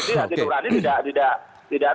hati nurani tidak